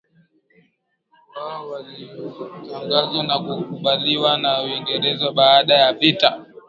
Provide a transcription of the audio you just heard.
wao uliotangazwa na kukubaliwa na Uingereza baada ya vita